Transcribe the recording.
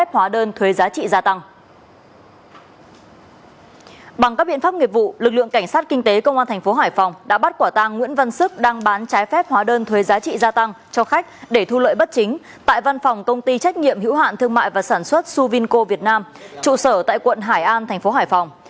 bằng các biện pháp nghiệp vụ lực lượng cảnh sát kinh tế công an thành phố hải phòng đã bắt quả tăng nguyễn văn sức đang bán trái phép hóa đơn thuế giá trị gia tăng cho khách để thu lợi bất chính tại văn phòng công ty trách nhiệm hữu hạn thương mại và sản xuất suvinko việt nam trụ sở tại quận hải an thành phố hải phòng